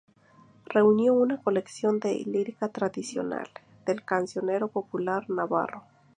Reunió una colección de lírica tradicional, "Del cancionero popular navarro"